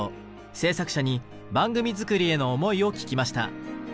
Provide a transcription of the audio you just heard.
制作者に番組作りへの思いを聞きました。